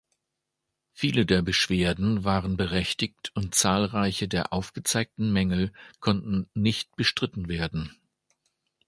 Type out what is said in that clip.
Viele der Beschwerden waren berechtigt und zahlreiche der aufgezeigten Mängel konnten nicht bestritten werden.